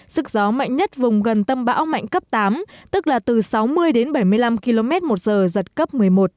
sức gió mạnh nhất vùng gần tâm bão mạnh cấp tám tức là từ sáu mươi đến bảy mươi năm km một giờ giật cấp một mươi một